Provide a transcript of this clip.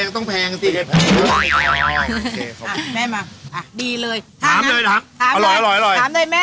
ตามา